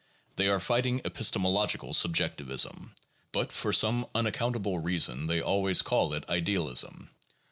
They are fighting epistemologic subjectivism; but for some unac countable reason they always call it idealism.